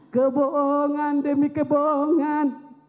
kebohongan demi kebohongan